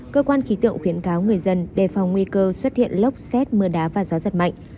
cơ quan khí tượng khuyến cáo người dân đề phòng nguy cơ xuất hiện lốc xét mưa đá và gió giật mạnh